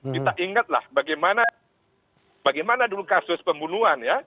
kita ingatlah bagaimana dulu kasus pembunuhan ya